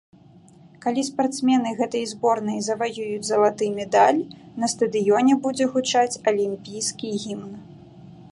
Калі спартсмены гэтай зборнай заваююць залаты медаль, на стадыёне будзе гучаць алімпійскі гімн.